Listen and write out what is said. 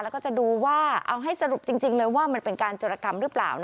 แล้วก็จะดูว่าเอาให้สรุปจริงเลยว่ามันเป็นการจรกรรมหรือเปล่า